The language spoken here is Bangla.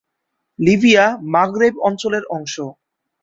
লিবিয়া মাগরেব অঞ্চলের অংশ।